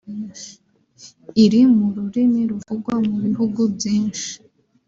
iri mu rurimi ruvugwa mu bihugu byinshi